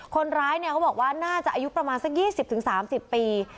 คนร้ายบอกว่าน่าจะอายุประมาณ๒๐๓๐ปี